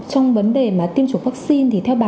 trong vấn đề mà tiêm chủng vaccine thì theo bà